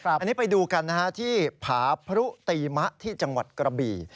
อันนี้ไปดูกันที่ผาพรุตีมะที่จังหวัดกระบี่